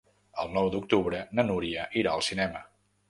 El nou d'octubre na Núria irà al cinema.